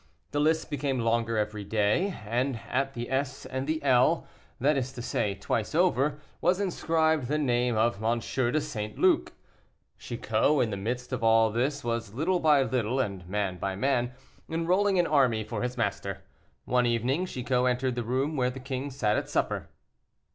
The lists became longer every day, and at the S and the L , that is to say, twice over, was inscribed the name of M. de St. Luc. Chicot, in the midst of all this, was, little by little, and man by man, enrolling an army for his master. One evening Chicot entered the room where the king sat at supper.